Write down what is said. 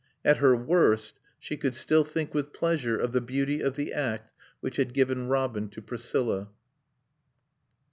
At her worst she could still think with pleasure of the beauty of the act which had given Robin to Priscilla.